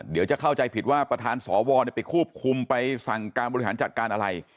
เดี๋ยวจะเข้าใจผิดว่าประธานสวไปควบคุมไปสั่งการบริหารจัดการอะไร